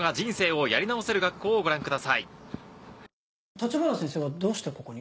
立花先生はどうしてここに？